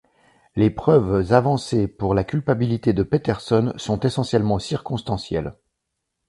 Les preuves avancées pour la culpabilité de Peterson sont essentiellement circonstancielles.